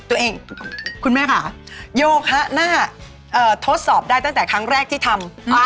คุณแม่ค่ะโยคะน่าทดสอบได้ตั้งแต่ครั้งแรกที่ทำ